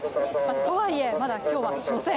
とはいえ、まだ今日は初戦。